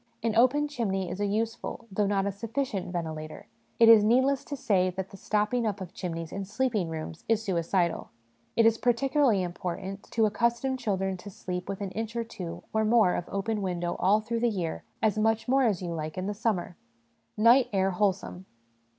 An open chimney is a useful, though not a sufficient, ventilator ; it is needless to say that the stopping up of chimneys in sleeping rooms is suicidal. It is particularly im portant to accustom children to sleep with an inch or two, or more, of open window all through the year as much more as you like in the summer. Night Air Wholesome.